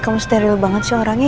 kamu steril banget sih orangnya